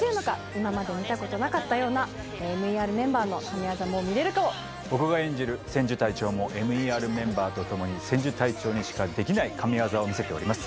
今まで見たことなかったようなＭＥＲメンバーの神業も見れるかも僕が演じる千住隊長もＭＥＲメンバーとともに千住隊長にしかできない神業を見せております